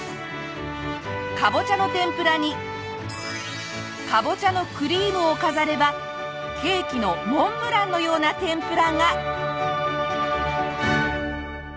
カボチャの天ぷらにカボチャのクリームを飾ればケーキのモンブランのような天ぷらが！